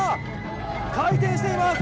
回転しています！